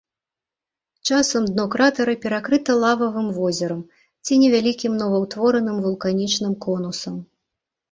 Часам дно кратара перакрыта лававым возерам ці невялікім новаўтвораным вулканічным конусам.